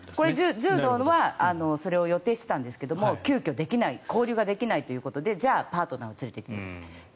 柔道はそれを予定していたんですが急きょ、できない交流ができないということでじゃあ、パートナーを連れてきてくださいと。